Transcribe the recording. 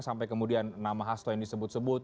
sampai kemudian nama hasto yang disebut sebut